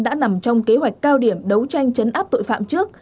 đã nằm trong kế hoạch cao điểm đấu tranh chấn áp tội phạm trước